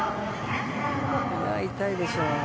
痛いでしょう。